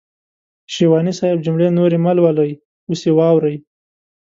شېواني صاحب جملې نورې مهلولئ اوس يې واورئ.